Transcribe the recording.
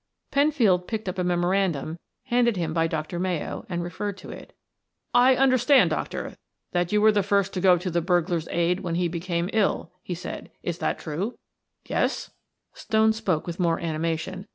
Penfield picked up a memorandum handed him by Dr. Mayo and referred to it. "I understand, doctor, that you were the first to go to the burglar's aid when he became ill," he said. "Is that true?" "Yes," Stone spoke with more animation.